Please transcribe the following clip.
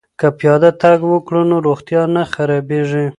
که پیاده تګ وکړو نو روغتیا نه خرابیږي.